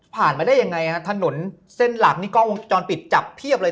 มาได้ยังไงฮะถนนเส้นหลักนี่กล้องวงจรปิดจับเพียบเลย